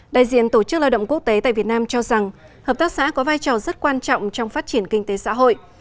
đại diện tổ chức lao động quốc tế tại việt nam cho rằng hợp tác xã có vai trò rất quan trọng trong phát triển kinh tế xã hội